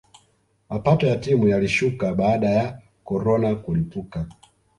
mapato ya timu yalishuka baada ya corona kulipuka